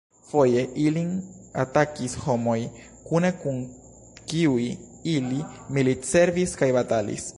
Foje ilin atakis homoj, kune kun kiuj ili militservis kaj batalis.